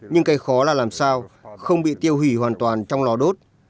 nhưng cây khó là làm sao không bị tiêu hủy hoàn toàn trong lò đốt